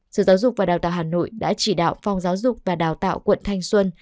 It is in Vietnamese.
sở giáo dục và đào tạo hà nội đã chỉ đạo phòng giáo dục và đào tạo quận thanh xuân